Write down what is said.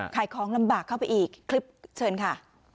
ขายของลำบากเข้าไปอีกคลิปเชิญค่ะ